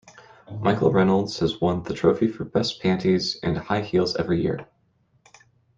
Michael Reynolds has won the trophy for best panties and high heels every year.